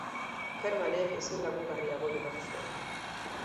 Hermanek ezin lagungarriago jokatu zuen.